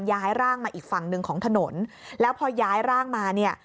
ย้ายร่างมาอีกฝั่งหนึ่งของถนนแล้วพอย้ายร่างมาเนี่ย